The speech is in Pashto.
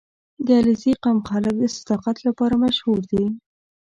• د علیزي قوم خلک د صداقت لپاره مشهور دي.